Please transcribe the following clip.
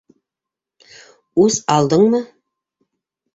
Үс алдыңмы?